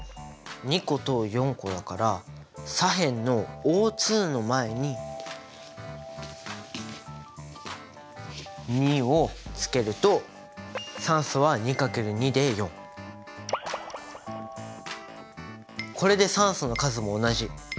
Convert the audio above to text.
２個と４個だから左辺のＯの前に２をつけると酸素はこれで酸素の数も同じ。